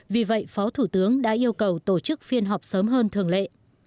vì vậy phó thủ tướng đã yêu cầu tổ chức phiên họp sớm hơn thường lệ